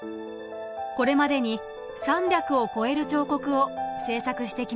これまでに３００を超える彫刻を制作してきました。